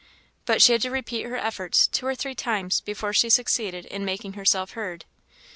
but she had to repeat her efforts two or three times before she succeeded in making herself heard.